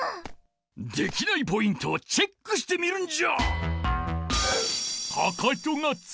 できないポイントをチェックしてみるんじゃ！